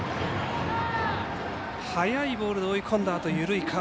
速いボールで追い込んだあと緩い